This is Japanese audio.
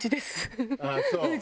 ああそう。